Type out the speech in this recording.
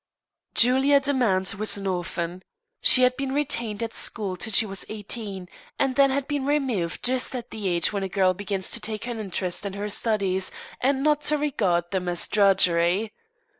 Julia Demant was an orphan. She had been retained at school till she was eighteen, and then had been removed just at the age when a girl begins to take an interest in her studies, and not to regard them as drudgery.